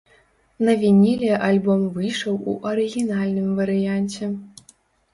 На вініле альбом выйшаў у арыгінальным варыянце.